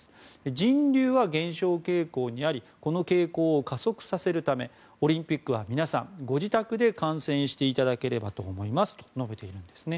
人流は減少傾向にありこの傾向を加速させるためオリンピックは皆さんご自宅で観戦していただければと思いますと述べているんですね。